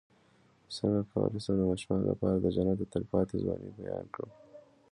څنګه کولی شم د ماشومانو لپاره د جنت د تل پاتې ځوانۍ بیان کړم